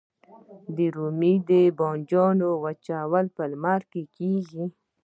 د رومي بانجان وچول په لمر کې کیږي؟